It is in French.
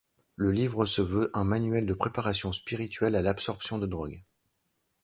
Le livre se veut un manuel de préparation spirituelle à l’absorption de drogues.